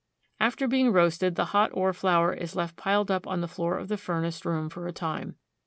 After being roasted, the hot ore flour is left piled up on the floor of the furnace room for a time.